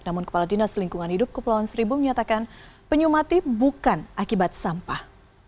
namun kepala dinas lingkungan hidup kepulauan seribu menyatakan penyu mati bukan akibat sampah